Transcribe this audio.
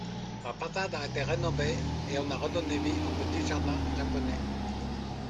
La façade a été rénovée et on a redonné vie au petit jardin japonais.